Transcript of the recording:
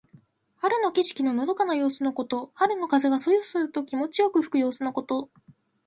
春の景色ののどかな様子のこと。春の風がそよそよと気持ちよく吹く様子のこと。